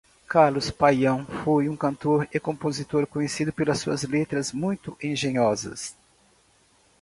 Carlos Paião foi um cantor e compositor, conhecido pelas suas letras muito engenhosas.